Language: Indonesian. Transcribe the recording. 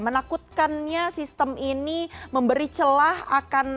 menakutkannya sistem ini memberi celah akan